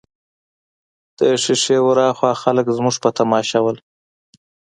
د شېشې ورهاخوا خلک زموږ په تماشه ول.